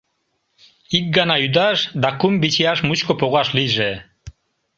Ик гана ӱдаш да кум вичияш мучко погаш лийже